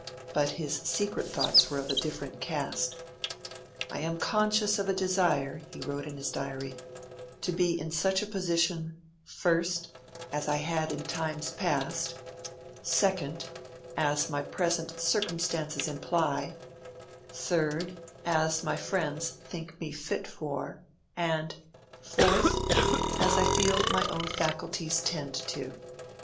But his secret thoughts were of a different caste. 'I am conscious of a desire,' he wrote in his Diary, 'to be in such a position: (I) as I had in times past; (2) as my present circumstances imply; (3) as my friends think me fit for; and (4) as I feel my own faculties tend to.